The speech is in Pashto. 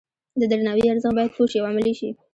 د درناوي ارزښت باید پوه شي او عملي شي.